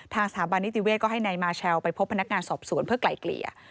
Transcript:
ทางสถาบันนิติเวศก็ให้นายมาเชลไปพบพนักงานสอบสวนเพื่อไกลเกลี่ย